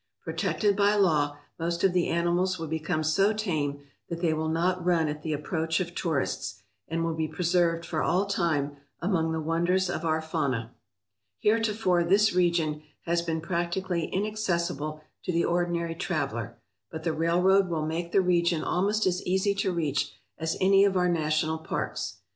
Protected by law, most of the animals will become so tame that they will not run at the approach of tourists, and will be preserved for all time among the wonders of our fauna. Heretofore this region has been practically inaccessible to the ordinary traveller, but the railroad will make the region almost as easy to reach as any of our national parks.